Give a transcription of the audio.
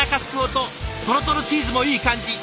とろとろチーズもいい感じ！